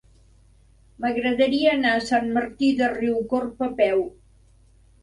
M'agradaria anar a Sant Martí de Riucorb a peu.